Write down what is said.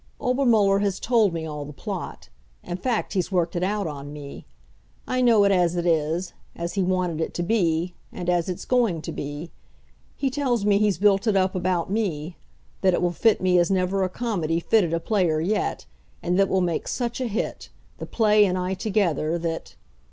Obermuller has told me all the plot. In fact, he's worked it out on me. I know it as it is, as he wanted it to be, and as it's going to be. He tells me he's built it up about me; that it will fit me as never a comedy fitted a player yet, and that we'll make such a hit the play and I together that